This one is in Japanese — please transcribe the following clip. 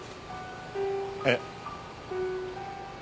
えっ？